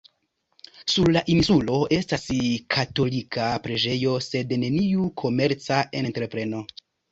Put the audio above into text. Sur la insulo estas katolika preĝejo sed neniu komerca entrepreno.